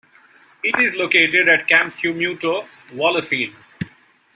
It is located at Camp Cumuto, Wallerfield.